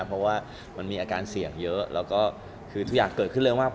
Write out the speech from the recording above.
เพราะว่ามันมีอาการเสี่ยงเยอะแล้วก็คือทุกอย่างเกิดขึ้นเร็วมาก